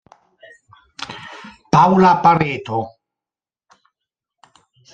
Paula Pareto